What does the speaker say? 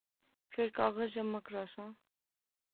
فیر کاغذ جمع کراساں